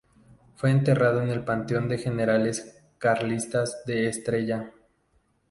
Fue enterrado en el panteón de generales carlistas de Estella.